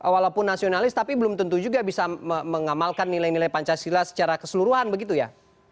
walaupun nasionalis tapi belum tentu juga bisa mengamalkan nilai nilai pancasila secara keseluruhan begitu ya